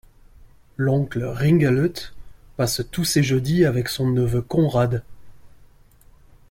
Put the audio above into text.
L'oncle Ringelhut passe tous ses jeudis avec son neveu Konrad.